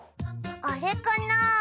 あれかな？